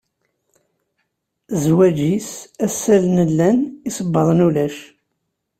Zwaǧ-is, assalen llan, isebbaḍen ulac.